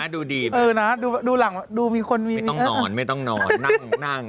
ดูดีมากดูถึงดูหลังดนหน่อย